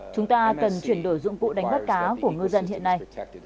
chúng ta cần chuyển đổi dụng cụ đánh bắt cá của ngư dân hiện nay